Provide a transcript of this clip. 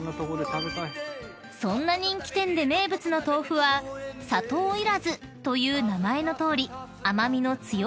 ［そんな人気店で名物の豆腐はさとういらずという名前のとおり甘味の強い大豆を使用］